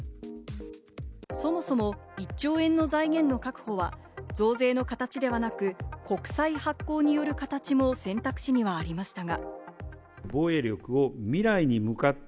そもそも１兆円の財源の確保は、増税の形ではなく国債発行による形も選択肢にはありましたが。